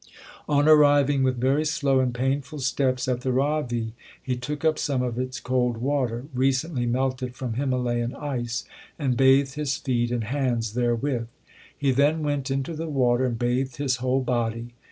On arriving with very slow and painful steps at the Ravi he took up some of its cold water recently melted from Himalayan ice and bathed his feet and hands therewith. He then went into the water and bathed his whole body.